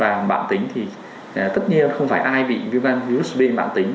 và mạng tính thì tất nhiên không phải ai bị virus b mạng tính